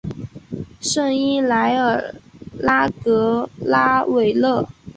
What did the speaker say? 圣伊莱尔拉格拉韦勒。